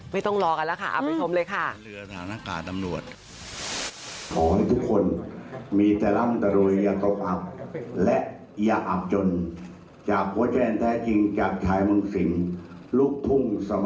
ไม่ต้องรอกันแล้วค่ะไปชมเลยค่ะ